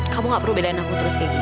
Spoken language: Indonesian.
kamu gak perlu bedain aku terus kayak gini